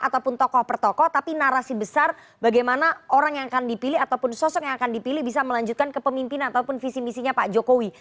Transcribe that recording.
ataupun tokoh per tokoh tapi narasi besar bagaimana orang yang akan dipilih ataupun sosok yang akan dipilih bisa melanjutkan kepemimpinan ataupun visi misinya pak jokowi